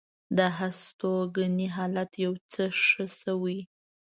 د هستوګنې حالت یو څه ښه شوی.